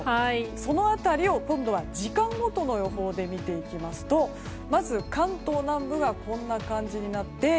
その辺りを今度は時間ごとの予報で見ていきますとまず、関東南部はこんな感じになって。